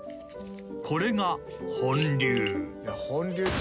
［これが本流］